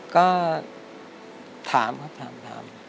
ก็ถามครับถาม